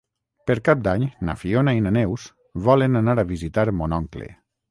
Per Cap d'Any na Fiona i na Neus volen anar a visitar mon oncle.